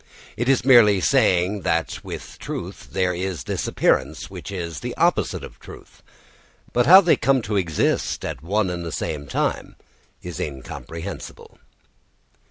It is merely saying that with truth there is this appearance which is the opposite of truth; but how they come to exist at one and the same time is incomprehensible.